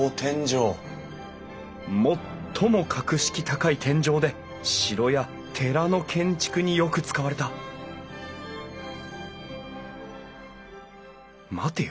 最も格式高い天井で城や寺の建築によく使われた待てよ。